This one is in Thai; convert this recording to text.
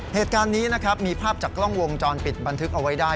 เหตุการณ์นี้นะครับมีภาพจากกล้องวงจรปิดบันทึกเอาไว้ได้